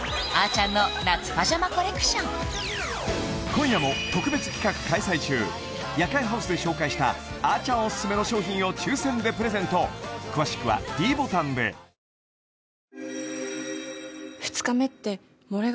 今夜も特別企画開催中夜会ハウスで紹介したあちゃんおすすめの商品を抽選でプレゼント詳しくはｄボタンでよっ！